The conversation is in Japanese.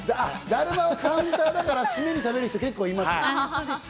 だるまはカウンターだからシメで食べる人結構いますよ。